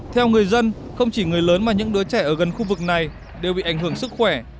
theo người dân không chỉ người lớn mà những đứa trẻ ở gần khu vực này đều bị ảnh hưởng sức khỏe